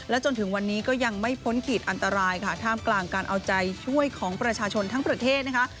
จนถึงวันนี้ก็ยังไม่พ้นขีดอันตรายค่ะท่ามกลางการเอาใจช่วยของประชาชนทั้งประเทศนะคะ